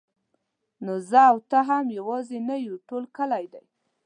نو زه او ته خو یوازې نه یو ټول کلی دی.